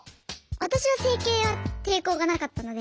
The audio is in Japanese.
私は整形は抵抗がなかったので。